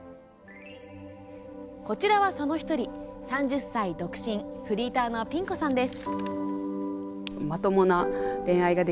こちらはその１人、３０歳、独身フリーターのピン子さんです。